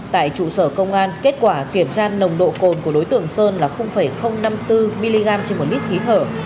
tại trụ sở công an kết quả kiểm tra nồng độ cồn của đối tượng sơn là năm mươi bốn mg trên một lít khí thở